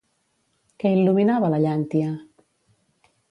Què il·luminava la llàntia?